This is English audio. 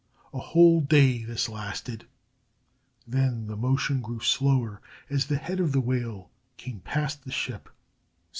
A whole day this lasted. Then the motion grew slower as the head of the whale came past the ship.